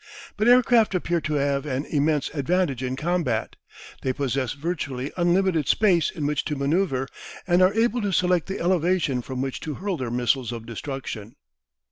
But aircraft appeared to have an immense advantage in combat. They possess virtually unlimited space in which to manoeuvre, and are able to select the elevation from which to hurl their missiles of destruction.